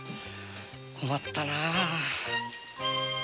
困ったなぁ。